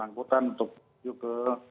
angkutan untuk ke